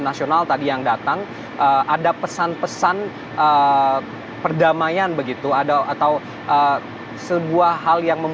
saya akhirnya dipersiapkan ter leonard tohra